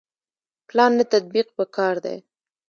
پلان نه تطبیق پکار دی